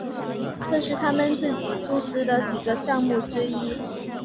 这是他们自己注资的几个项目之一。